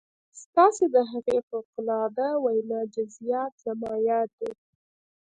ستاسې د هغې فوق العاده وينا جزئيات زما ياد دي.